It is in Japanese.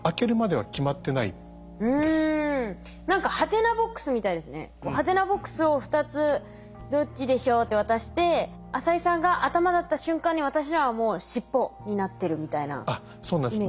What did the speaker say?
「はてなボックス」を２つ「どっちでしょう？」って渡して浅井さんが頭だった瞬間に私のはもう尻尾になってるみたいなイメージですかね？